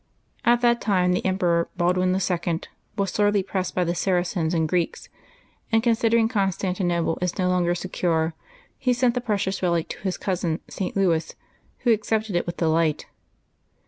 At that time the emperor, Baldwin II., was sorely pressed by the Saracens and Greeks, and, considering Constantinople as no longer secure, he sent the precious relic to his cousin, St. Louis, who accepted it with delight.